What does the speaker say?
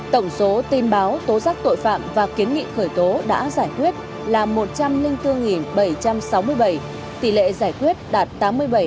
tổng số tin báo tố giác tội phạm và kiến nghị khởi tố đã giải quyết là một trăm linh bốn bảy trăm sáu mươi bảy tỷ lệ giải quyết đạt tám mươi bảy